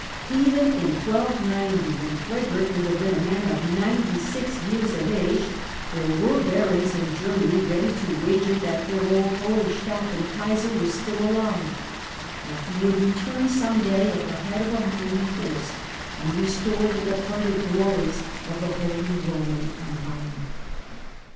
Even in 1290, when Frederick would have been a man of ninety six years of age, there were barons in Germany ready to wager that their old Hohenstaufen Kaiser was still alive ; that he would return some day at the head of a mighty force and restore the departed glories of the Holy Roman Empire.